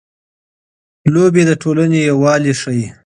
لوبې د ټولنې یووالی ښيي.